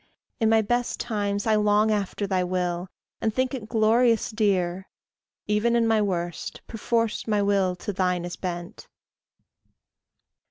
In my best times I long After thy will, and think it glorious dear; Even in my worst, perforce my will to thine is bent.